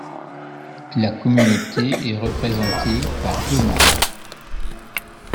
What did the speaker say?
La communauté est représentée par deux membres.